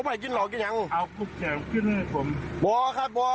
กำลังขึ้นขึ้นให้ผม